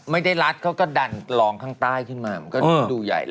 ไม่ได้รัดเขาก็ดันลองข้างใต้ขึ้นมามันก็ดูใหญ่เลย